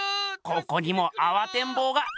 ここにもあわてんぼうが。